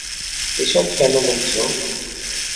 এসব কেন বলছো?